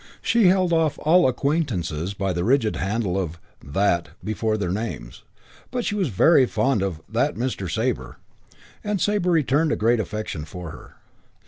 She held off all acquaintances by the rigid handle of "that" before their names, but she was very fond of "that Mr. Sabre", and Sabre returned a great affection for her.